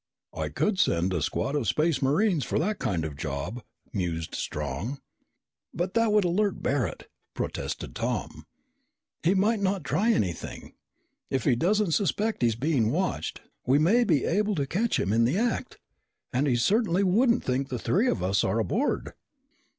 "I could send a squad of Space Marines for that kind of job," mused Strong. "But that would alert Barret," protested Tom. "He might not try anything. If he doesn't suspect he's being watched, we may be able to catch him in the act. And he certainly wouldn't think the three of us are aboard."